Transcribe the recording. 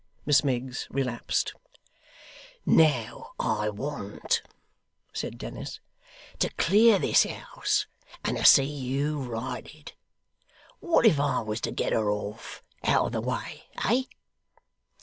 Miss Miggs relapsed. 'Now I want,' said Dennis, 'to clear this house, and to see you righted. What if I was to get her off, out of the way, eh?